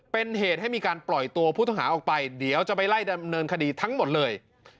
เป็นเหตุให้มีการปล่อยตัวผู้ต้องหาออกไปเดี๋ยวจะไปไล่ดำเนินคดีทั้งหมดเลย